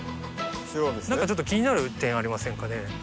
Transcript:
何かちょっと気になる点ありませんかね？